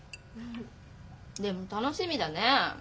でも楽しみだね。